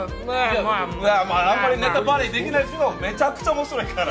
あんまりネタバレできないけど、めちゃくちゃ面白いから。